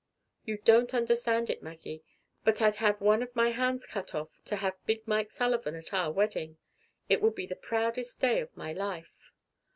"You don't understand it, Maggie, but I'd have one of my hands cut off to have Big Mike Sullivan at our wedding. It would be the proudest day of my life.